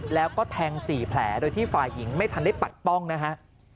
แล้วก็แทง๔แผลโดยที่ฝ่ายหญิงไม่ทันได้ปัดป้องนะฮะ